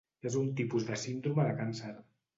És un tipus de síndrome de càncer.